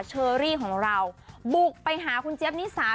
เชอรี่ของเราบุกไปหาคุณเจี๊ยบนิสา